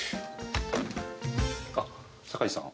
あっ酒井さん。